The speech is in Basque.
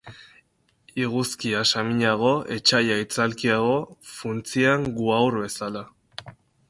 Iguzkia saminago etsaia itzalkiago, funtsian guhaur bezala.